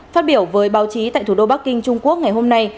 phát biểu với báo chí tại thủ đô bắc kinh trung quốc ngày hôm nay